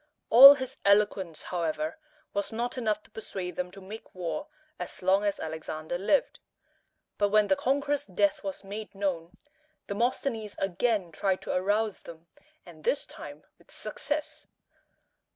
All his eloquence, however, was not enough to persuade them to make war as long as Alexander lived. But when the conqueror's death was made known, Demosthenes again tried to arouse them, and this time with success.